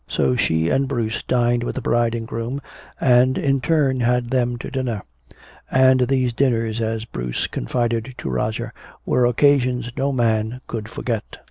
So she and Bruce dined with the bride and groom, and in turn had them to dinner. And these dinners, as Bruce confided to Roger, were occasions no man could forget.